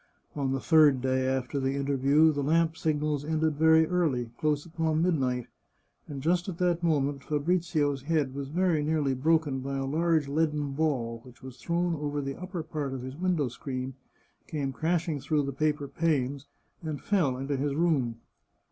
On the third day after the interview the lamp signals ended very early, close upon midnight, and just at that moment Fabrizio's head was very nearly broken by a large leaden ball which was thrown over the upper part of his window screen, came crashing through the paper panes, and fell into his room.